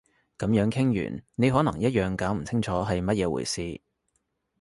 噉樣傾完你可能一樣搞唔清係乜嘢回事